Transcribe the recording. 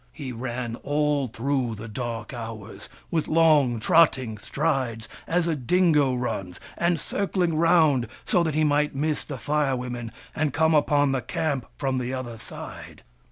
He ran all through the dark hours, with long trotting strides, as a dingo runs, and circling round so that he might miss the Fire Women and come upon the camp from the other side.